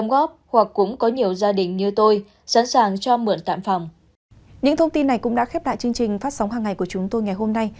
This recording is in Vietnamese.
những thông tin này cũng đã khép lại chương trình phát sóng hàng ngày của chúng tôi ngày hôm nay